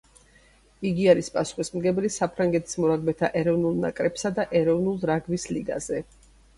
იგი არის პასუხისმგებელი საფრანგეთის მორაგბეთა ეროვნულ ნაკრებსა და ეროვნულ რაგბის ლიგაზე.